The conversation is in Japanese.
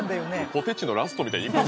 ポテチのラストみたいにいく？